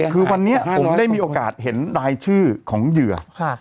คือวันนี้ผมได้มีโอกาสเห็นรายชื่อของเหยื่อ